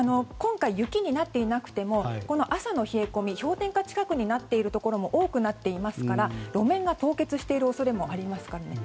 雪になっていなくても朝の冷え込みが氷点下近くになっているところがありますから路面が凍結している恐れもあります。